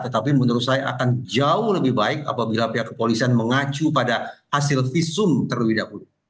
tetapi menurut saya akan jauh lebih baik apabila pihak kepolisian mengacu pada hasil visum terlebih dahulu